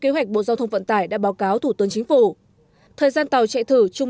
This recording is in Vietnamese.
kế hoạch bộ giao thông vận tải đã báo cáo thủ tướng chính phủ thời gian tàu chạy thử trung